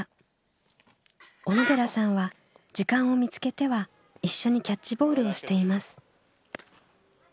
小野寺さんは時間を見つけては一緒にキャッチボールをしています。